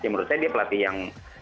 menurut saya dia pelatih yang